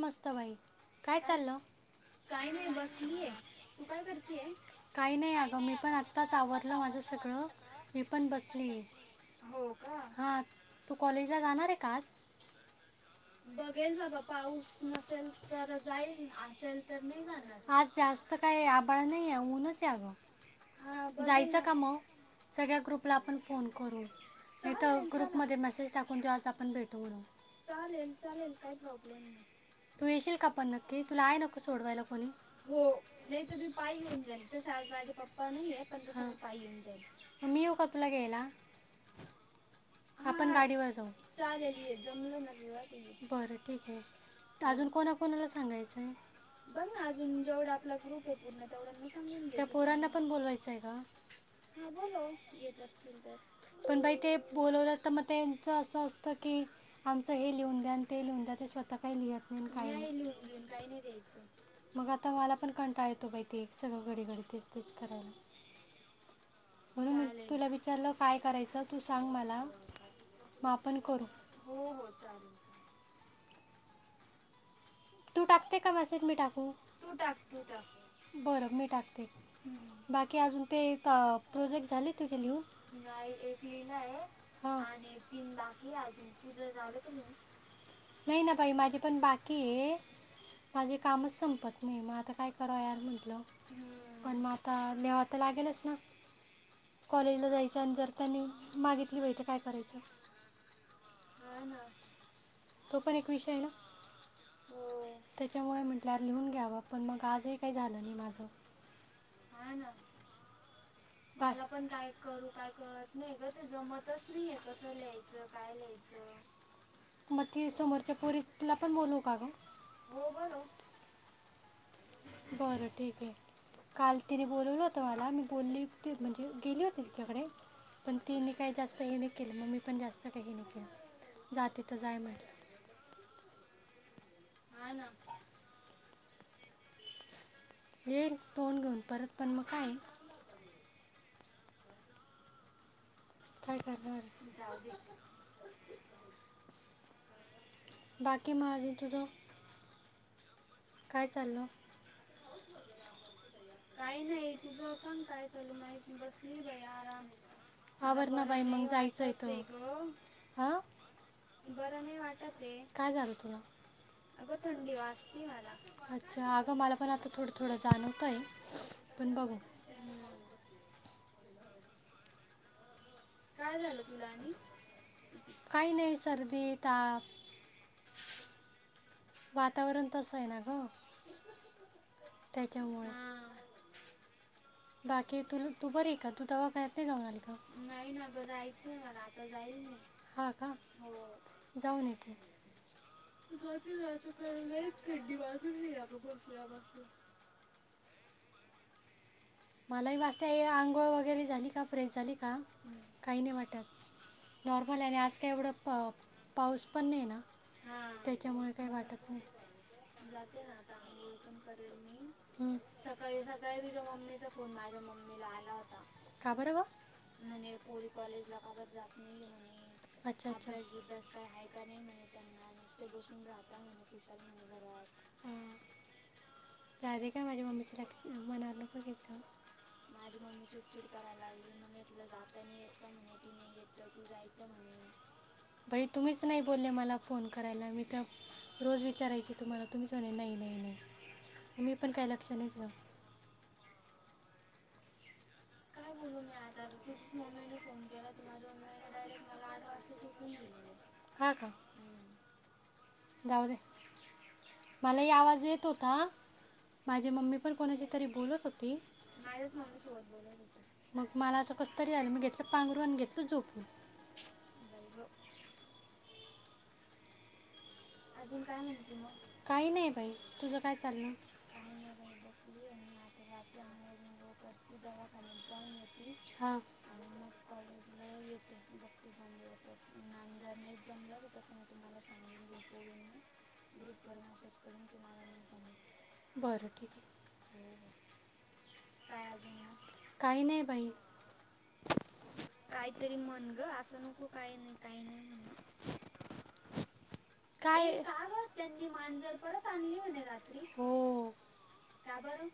मस्त भाई काय चाललं? काही नाही बसलीये, तू काय करतीये? काही नाही अगं मी पण आता आताच आवरल माझं सगळं मी पण बसलीये हो का हा. तू कॉलेजला जाणारे का आज? बघेल बाबा पाऊस नसेल तर जाईल आसेल तर नई जाणार. आता काही आबाळ नाहीये ऊनच ये अगं. हा बर जायचं का म सगळ्या ग्रुपला आपण फोन करू. नाहीत ग्रुप मध्ये मेसेज टाकून देऊ आज आपण भेटू म्हणून. [inaudible] तू येशील का पण नक्की तुला आहे ना को सोडवायला कोणी? हो नाहित मी पायी येऊन जाईल तशे आज माझे. पप्पा नाईये तस मी पायी येऊन जाईन, म मी येऊ का तुला घ्यायला? आपण गाडीवर जाऊ चालेल ये जमल ना तुला तू ये. बरं ठीक आहे. अजून कोणा कोणाला सांगायचंय? बघ ना अजून जेवढा आपला ग्रुप ये पूर्ण तेवढ्यांना सांगून दे की तुम्ही हा बोलव, येत असतील तर. पण बाई ते बोलवलं तर मग त्यांच असं असतं की, आमचं हे लिहून द्या, अन ते लिहून द्या. ते स्वतः काय लिहत नाय न काय नाय नई लिहून बिऊन काय नाय द्यायचं. मग आता मला पण कंटाळ येतो बाहि ते सगळं घडी घडी तेच तेच करायला. म्हणून मी तुला विचारलं काय करायचं तू सांग मला. म आपन करू. हो हो चालेल चल. तू टाकते का मॅसेज मी टाकू? तू टाक तू टाक, बरं मी टाकते. बाकी अजून ते इथं प्रोजेक्ट झाले तुझे लिहून? नाही एक लिहीलाय हा आणि तीन बाकी आहे, तुझं झालं का लिहून? नई ना बाई माझे पण बाकीये. माझे कामच संपत नाही, म आता काय कराय यार म्हटलं. पण म आता लिहाव तर लागेलच ना. कॉलेजला जायचं आणि जर त्यांनी मागितली वही तर काय करायचं हा ना. तो पण एक विषय आहे ना. हो त्याच्यामुळे म्हटल्या लिहून घ्यावा पण मग आजही काही झालं नाही माझं. आहे ना. मला पण काय करू काय करत नाही ग ते जमतच नाहीये कसं लिहायचं काय लिहायचं च. बाकी समोरच्या पोरी तिला पण बोलू का ग. बरं ठीक आहे काल तिरी बोलवलं होतं मला मी बोलली म्हणजे गेली होती तिच्याकडे. पण तिने काही जास्त हे नाही केलं मग् मी पण जास्त काही हे नाही केलं जाते तर जाय म्हटलं. हा ना. येईल फोन घेऊन परत पण मग काय ये. काय काय झालं? जाऊ दे. बाकी मग अजून तुझं? काय चाललं काही नाही तुझं सांग काय चालू माही बसली बाई आराम. आवर ना बाई मग जायचं इथून हं. बरं नाही वाटत हे काय झालं तुला. थ अच्छा अगं मला पण आत थोडं थोडं जाणवतय पण बघू हम्म. काय झालं काही नाही सर्दी ताप. वातावरण तसं आहे ना ग, त्याच्यामुळे [unintelligible] बाकी तु तू बरी का तू दवाखान्यात नाही जाऊन आली का? नाही ना ग जायचंय मला आता जाईन मग हा का जाऊन येते. जात जायचं क एक थंडी बाजून हेत बसल्या बसल्या मलाही मास्त आंघोळ वगैरे झाली का फ्रेश झाली का काही नाही वाटत नॉर्मल आहे आणि आज काय एवढं पाऊस पण नाही ना त्याच्यामुळे काही वाटत नाही. जाते ना आता अंघोळ पण करेल मी सकाळी सकाळी तुझ्या मम्मीच फो फोन माझ्या मम्मीला आला होता. म्हणे पोरी कॉलेज लकााबर जात नाहीये म्हणे अभ्यास बभ्यास काय हाय का नाही म्हणे त्यांना नुसते बसून राहता म्हणे कुशाल म्हणे घरात. झाले का माझ्या मम्मीचं लक्ष म्हणालंोक घ्याचं. माझी मम्मी चिडचिड करायला लागली म्हणे तुला जाता नाही येत का म्हणे ती नाही येत तर तू जायच. च म्हणे. भाई तुम्हीच नाही बोलले मला फोन करायला मी तर रोज विचारायची तुम्हाला तुम्हीच म्हणे नाही नाही नाही मी पण काय लक्षात नेत काय बोलू मी आता तर तुझच मम्मीने फोन के तर माझ्या मम्मीईने डायरेक्ट मला आठ वाज [inaudible] मलाही आवाज येत होता. माझी मम्मी पण कोणाशी तरी बोलत होती. मग मला असं कस तरी आहे मी घेतलं पांघरू आणि घेतलं झोपून. बाई ग. काही नाही बाई तुझं काय चाललं. काही नाही बाई बसलीय मी आता जाते आघोळुंगोळ करते दवाखान्यात जाऊन येत [inaudible] आणि कॉलेजला येते बघते जमलं तर नांदर नाही जमलं तर तसं मी तुम्हाला सांगून दिल. पोरींना ग्रुपवर मेसेज करून की मला नाही जमत. बरं. हो हो काय अजून मग काय नाही बाई. काहीतरी म्हण ग असं नको काही नाही काही नाही म्हणू. ए का ग त्यांनी मांजर परत आणली म्हणे रात्री. का बरं?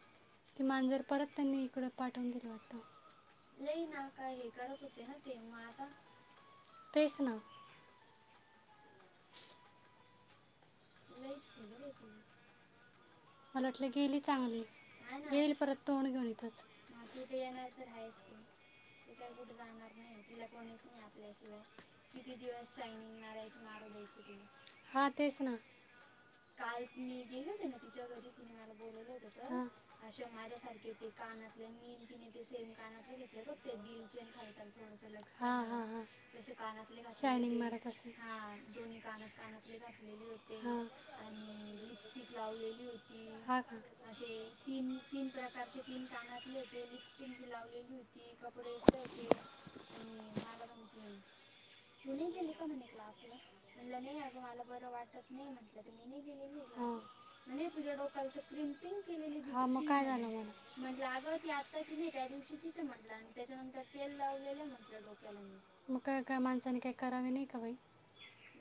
की मांजर परत त्यांनी इकडे पाठवून दिलं वाटतं. लय ना काय हे करत होते ना ते म आता तेच ना. लयच हे ग बाई तुम्ही. मला वाटलं गेली चांगली येईल परत तोंड घेऊन इथंच. हा ते तर येणार तर हायच ते ते काही कुठे जाणार नाही. तिला कोणीच नाही आपल्याशिवाय किती दिवस शायनिंग मारायची मारू द्यायची तिला. हां तेच ना. काल मी गेले होते ना तिच्या घरी तिने मला बोललं होत तर अशे माझ्या सारखे ते कानातले मी अन् तिने ते सेम कानातले घेतले बघ. ते दिलचे अन् खाली त्यान थोडस लटकन आहे तसे कानातले घातलेले ते हा दोन्ही कानात कानात कानातले घातलेले होते आणि लिपस्टिक लावलेली होती. असे तीन तीन प्रकारचे तीन कानातले होते लिपस्टिक लावलेली होती. ती कपडे विपडे होते आणि मला पण तीन तु नाही गेली का म्हणे क्लासला? म्हटलं नाही अगं मला बरं वाटत नाही म्हटलं तर मी नाही गेलेली क्लासला म्हणे तुझ्या डोक्याला तर क्रिम्पिंग केलेली दिसती म्हणे म्हटलं अगं ती आत्ताची नाही त्या दिवशीचीच म्हंटलं अन् त्याच्यानंतर तेल लावलेले आहे म्हटलं डोक्याला मी. मग काय काय माणसाने काही करावे नाही का बाई.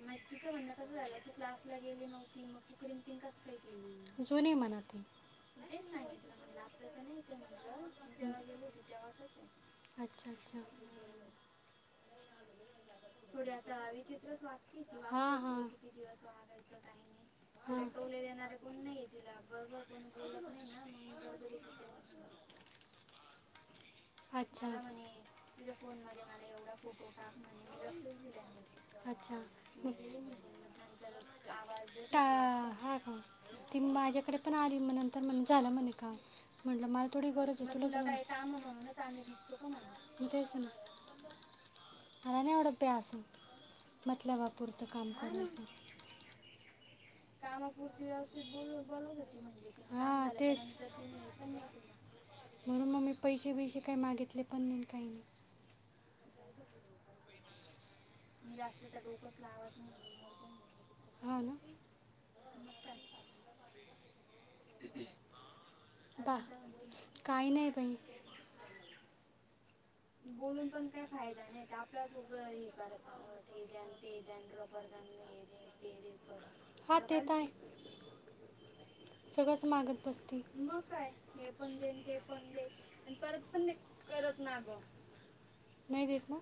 मग तिच म्हणणं कसं झालं तू गेली नव्हती मग क्रिपिंग कस काय केली जुनी आहे म्हणा ती. ठी [unintelligible] मग तेच सांगितलं म्हटलं आत्ताच नाही ते म्हंटलं जेव्हा गेली होती तेव्हाचच आहे. अच्छा अच्छा. हम्म. थोडी आता विचित्रच वागते ती वागू दे तिला किती दिवस वागायचं काही नाही तिला टोले देणारे कोण नाहीये तिला बरोबर कोणी बोलत नाही ना मग बरोबर ती तोंड घेऊन. मला म्हणे. तुझ्या फोनमध्ये मला एवढा फोटो टाक म्हणे मी लक्षच दिलं नाही. मी गेले निघून मग नंतर आवाज देत होती वाटत. माझ्याकडे पण आली मग नंतर म्हणी झालं म्हणी काम. म्हटलं मला थोडी गरज आहे तुलाच गरज आहे. तो काय मारणार हे. तेच ना. मला नाही आवडत बाई अस मतलबा पुरत काम करायचं. हा ना. कामापुरते व्यवस्थित बोलून बोलून घेते म्हणजे ती हा तेच नंतर ती हे पण नाही करत. म्हणून मी मग पैसे बैसे काही मागितले पण नाही काही नाही. जाऊदे. मी जास्त तर डोकंच लावत नाही मरूदे म्हटलं की तस मग काय? बा काही नाही बाई. बोलून पण काय फायदा नाही आपल्याच उग हे करतात उलट हे द्यान ते द्यान रबर द्यान हे हे दे आणि ते दे कर मला काल देऊ मग काय हे पण देन ते पण दे आणि परत पण दे करत ना ग [inaudible] नाही देेत ना.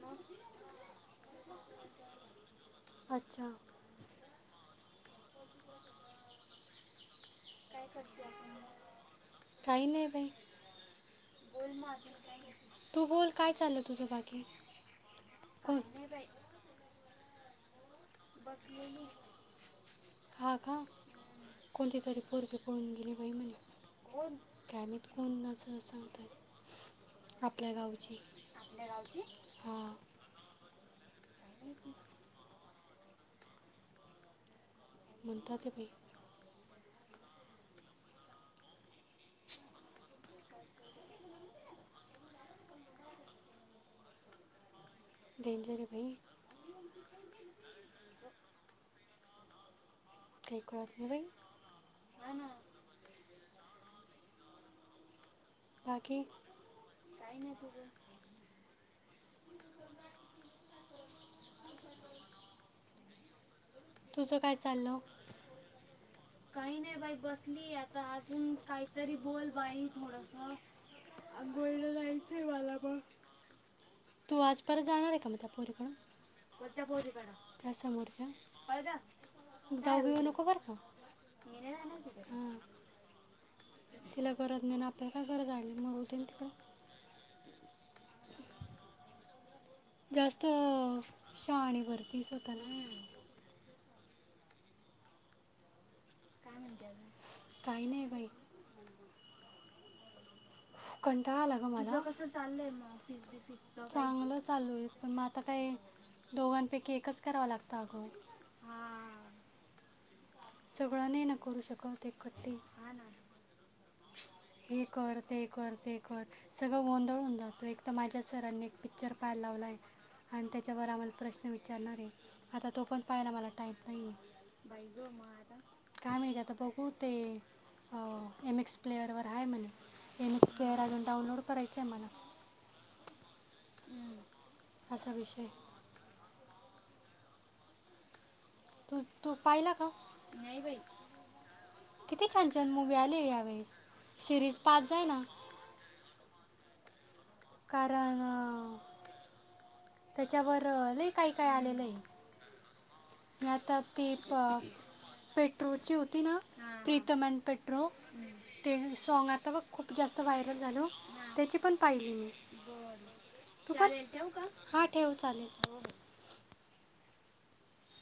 मग. अच्छा. काय करते अजून मग. बोल मग अजून काय म्हणती. काही नाही बाई. बसले खा खा. कोणतीतरी परवे पळून गेले बाई म्हणे. गॅमीत कोण नसा सांगत आपल्या गावची आपल्या गावची. हां. काय माहिती. म्हणतात प. [inaudible] काय पोरी पण बावट झालं. डेडलेल बाई. [unintelligible] काही कळत नाही बाई. बाकी. काही नाही तू बोल. तुझं काय चाललं. काही नाही बाई बसली आता अजून काहीतरी बोल बाई थोडस. अंघोळीला जायचंय मला पण. तू आज परत जाणार आहे का मग त्यापोरीकडून. त्या समोरच्या जाऊ घेऊ नको बर का. मी नाही जाणार तिच्याकडें. तिला गरज नाही ना आपला काय गरज आली मग होती ना तिला. जास्त शहाणीवरती स्वत ना. काय म्हणते अजून. काही नाही बाई. कंटाळा आला ग मला चांगलं चालू आहे पण. आता काही दोघांपैकी एकच करावं लागतं अगो. हा. सगळं नाही न करू शकत एकट्टी. हे कर ते कर ते कर. सगळं गोंधळून जातो एक तर माझ्या सरांनी एक पिक्चर पाहायला लावलाय. आणि त्याच्यावर आम्हाला प्रश्न विचारणार आहे आता तो पण पहायला मला टाइम नाही आहे. काय माहित आता बघू ते अम्म एम एक्स प्लेअरवर आहे म्हणेून एनेच प्लेअर अजून डाउनलोड करायचं आहे मला. हम्म. असा विषय. तू तो पाहिला का नाही बाई. किती छान छान मुवी आली यावेेळेस सिरीज पाच जायना. कारण. त्याच्यावर हे काही काही आलेलं आहे मी आता तीप. पेट्रोची होती ना प्रीतम एन पेट्रो. ते सॉग आता ब खूप जास्त व्हायरल झालं त्याची पण पाहिली मी. तू पण, हा ठेव चालेल. हो हो.